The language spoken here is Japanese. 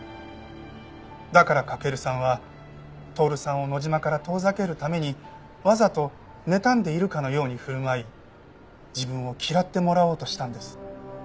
だから駆さんは透さんを野島から遠ざけるためにわざとねたんでいるかのように振る舞い自分を嫌ってもらおうとしたんです。